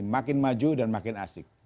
makin maju dan makin asik